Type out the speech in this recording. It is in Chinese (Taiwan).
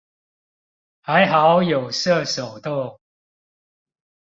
還好有設手動